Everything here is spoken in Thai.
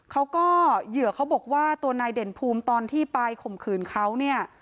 เขาก็เหยื่อเขาบอกว่าตัวนายเด่นภูมิตอนที่ไปข่มขืนเขาเนี่ย